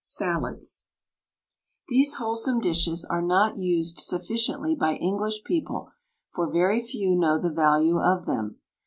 SALADS These wholesome dishes are not used sufficiently by English people, for very few know the value of them.